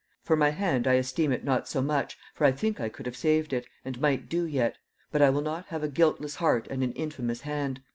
For my hand, I esteem it not so much, for I think I could have saved it, and might do yet; but I will not have a guiltless heart and an infamous hand.